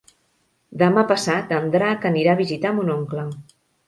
Demà passat en Drac anirà a visitar mon oncle.